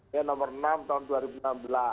ya nomor enam tahun dua ribu enam belas